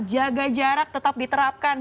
jaga jarak tetap diterapkan